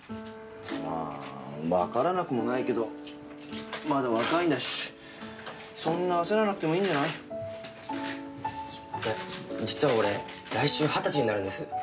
まあわからなくもないけどまだ若いんだしそんな焦らなくてもいいんじゃない？実は俺来週二十歳になるんです。